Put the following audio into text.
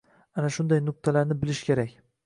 Ana shunday nuqtalarni bilish kerak.